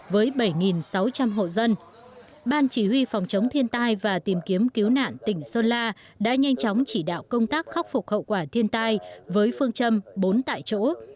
với bảy sáu trăm linh hộ dân ban chỉ huy phòng chống thiên tai và tìm kiếm cứu nạn tỉnh sơn la đã nhanh chóng chỉ đạo công tác khắc phục hậu quả thiên tai với phương châm bốn tại chỗ